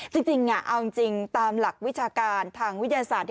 จริงเอาจริงตามหลักวิชาการทางวิทยาศาสตร์